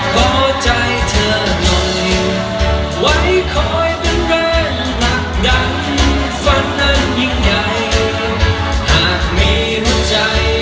ขอใจเธอหน่อยไว้คอยเป็นแรงหลักดันใจ